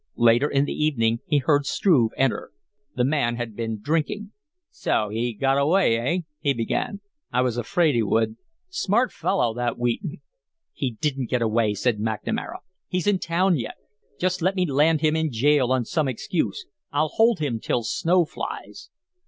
Later in the evening he heard Struve enter. The man had been drinking. "So he got away, eh?" he began. "I was afraid he would. Smart fellow, that Wheaton." "He didn't get away," said McNamara. "He's in town yet. Just let me land him in jail on some excuse! I'll hold him till snow flies."